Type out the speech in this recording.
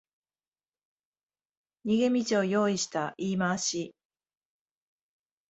逃げ道を用意した言い回し